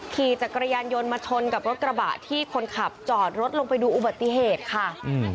ขี่จักรยานยนต์มาชนกับรถกระบะที่คนขับจอดรถลงไปดูอุบัติเหตุค่ะ